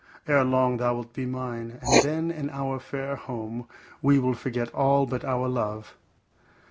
Ere long thou wilt be mine, and then in our fair home we will forget all but our love.